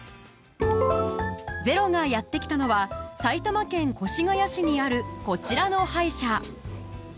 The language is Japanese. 「ｚｅｒｏ」がやってきたのは埼玉県越谷市にあるこちらの歯医者。